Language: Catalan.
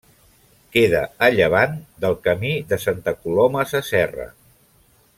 Queda a llevant del Camí de Santa Coloma Sasserra.